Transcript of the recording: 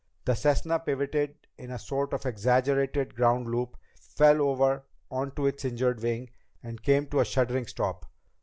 The Cessna pivoted in a sort of exaggerated ground loop, fell over onto its injured wing, and came to a shuddering stop.